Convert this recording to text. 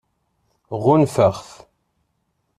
Ɣunfaɣ-t.